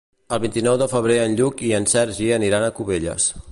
El vint-i-nou de febrer en Lluc i en Sergi aniran a Cubelles.